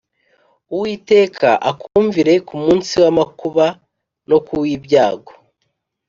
Uwiteka akumvire kumuns i w’ amakuba no k u w’ibyago